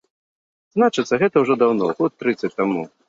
Значыцца, гэта ўжо даўно, год трыццаць таму.